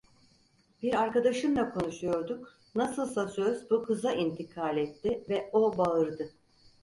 Bir arkadaşımla konuşuyorduk, nasılsa söz bu kıza intikal etti ve o bağırdı: